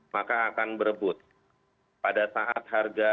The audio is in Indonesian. maka akan berbunyi